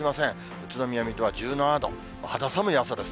宇都宮、水戸は１７度、肌寒い朝です。